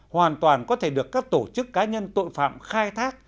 hoàn toàn có thể được các tổ chức cá nhân tội phạm khai thác